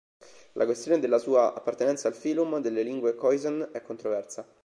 La questione della sua appartenenza al "phylum" delle lingue khoisan è controversa.